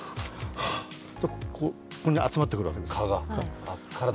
と、ここに蚊が集まってくるわけです。